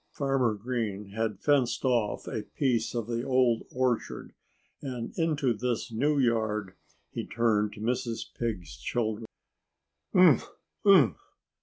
Farmer Green had fenced off a piece of the old orchard. And into this new yard he turned Mrs. Pig's children. "Umph! Umph!"